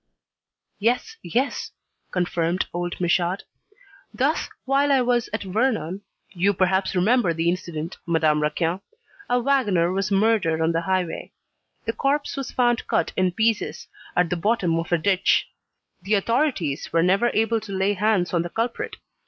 "Yes, yes," confirmed old Michaud. "Thus, while I was at Vernon you perhaps remember the incident, Madame Raquin a wagoner was murdered on the highway. The corpse was found cut in pieces, at the bottom of a ditch. The authorities were never able to lay hands on the culprit.